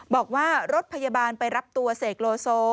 บอกว่ารถพยาบาลไปรับตัวเสกโลโซ